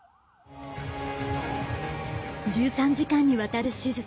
１３時間にわたる手術。